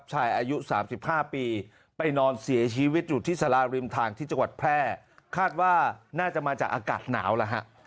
อายุ๓๕ปีไปนอนเสียชีวิตอยู่ที่สาราริมทางที่จังหวัดแพร่คาดว่าน่าจะมาจากอากาศหนาวแล้วฮะ